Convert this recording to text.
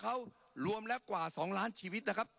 กระทบคนมากกว่า๒ล้านชีวิตนะครับ